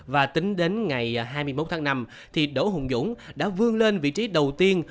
và tính đến ngày hai mươi một tháng năm thì đội hùng dũng đã vương lên vị trí đầu tiên